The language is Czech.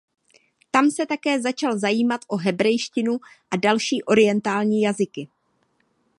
Tam se také začal zajímat o hebrejštinu a další orientální jazyky.